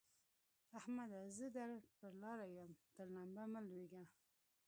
احمده! زه در پر لاره يم؛ تر لمبه مه لوېږه.